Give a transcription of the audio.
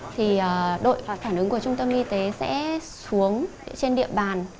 thì đội và phản ứng của trung tâm y tế sẽ xuống trên địa bàn